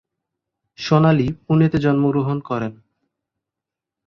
সোনালী পুনেতে জন্মগ্রহণ করেন।